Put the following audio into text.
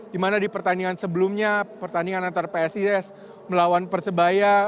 dimana di pertandingan sebelumnya pertandingan antara psis melawan persebaya